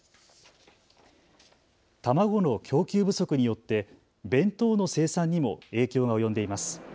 卵の供給不足によって弁当の生産にも影響が及んでいます。